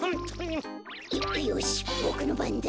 よよしボクのばんだ。